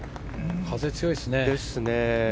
風強いですね。